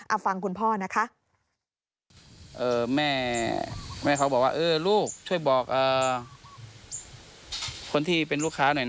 เอาฟังคุณพ่อนะคะ